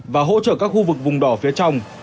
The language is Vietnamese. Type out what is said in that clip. và hỗ trợ các khu vực vùng đỏ phía trong